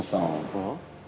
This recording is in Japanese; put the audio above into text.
うん？